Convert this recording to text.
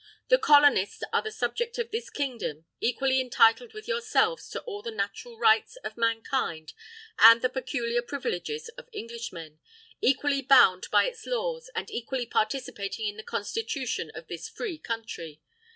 "The Colonists are the subjects of this Kingdom, equally entitled with yourselves to all the natural rights of mankind and the peculiar privileges of Englishmen; equally bound by its laws, and equally participating in the Constitution of this free Country.